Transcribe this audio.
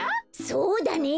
そうだね！